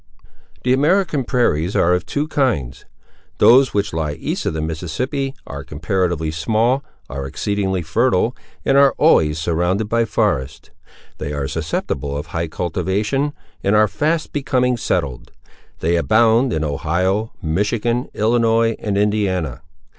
The American prairies are of two kinds. Those which lie east of the Mississippi are comparatively small, are exceedingly fertile, and are always surrounded by forests. They are susceptible of high cultivation, and are fast becoming settled. They abound in Ohio, Michigan, Illinois, and Indiana.